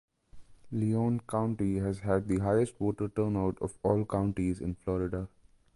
Leon County has had the highest voter turnout of all counties in Florida.